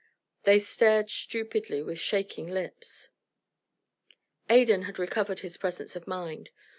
They stared stupidly, with shaking lips. Adan had recovered his presence of mind.